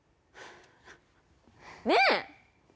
ねえ？